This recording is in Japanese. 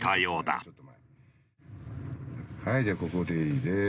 はいじゃあここでいいです。